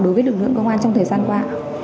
đối với lực lượng công an trong thời gian qua